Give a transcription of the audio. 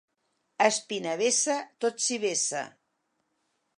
A Espinavessa tot s'hi vessa.